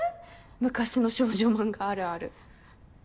昔の少女漫画あるある。